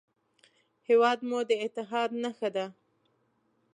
هېواد مو د اتحاد نښه ده